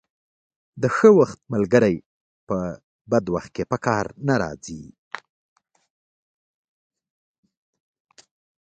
د ښه وخت ملګري په بد وخت کې په کار نه راځي.